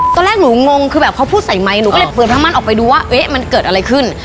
ตอนแรกหนูงงคือแบบเขาพูดใส่ไมค์หนูก็เลยเปิดทั้งมั่นออกไปดูว่าเอ๊ะมันเกิดอะไรขึ้น